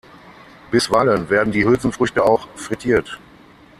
Bisweilen werden die Hülsenfrüchte auch frittiert.